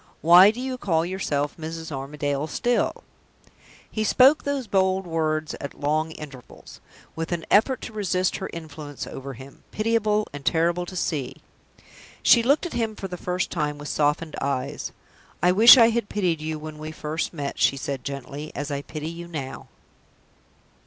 Why do you call yourself 'Mrs. Armadale' still?" He spoke those bold words at long intervals, with an effort to resist her influence over him, pitiable and terrible to see. She looked at him for the first time with softened eyes. "I wish I had pitied you when we first met," she said, gently, "as I pity you now."